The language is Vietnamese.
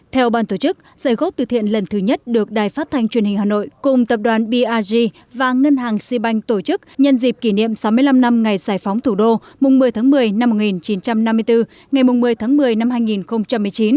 theo ban tổ chức giải gốc từ thiện lần thứ nhất được đài phát thanh truyền hình hà nội cùng tập đoàn brg và ngân hàng sipanh tổ chức nhân dịp kỷ niệm sáu mươi năm năm ngày giải phóng thủ đô mùng một mươi tháng một mươi năm một nghìn chín trăm năm mươi bốn ngày một mươi tháng một mươi năm hai nghìn một mươi chín